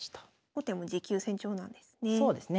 後手も持久戦調なんですね。